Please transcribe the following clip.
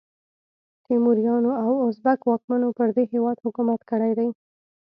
تیموریانو او ازبک واکمنو پر دې هیواد حکومت کړی دی.